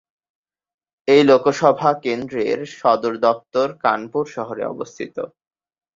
এই লোকসভা কেন্দ্রের সদর দফতর কানপুর শহরে অবস্থিত।